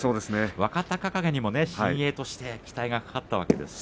若隆景にも新鋭として期待がかかったわけです。